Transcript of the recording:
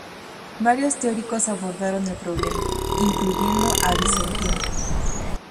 Varios teóricos abordaron el problema, incluyendo a Vicentino.